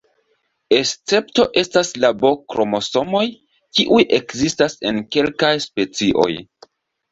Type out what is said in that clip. Escepto estas la B-kromosomoj, kiuj ekzistas en kelkaj specioj.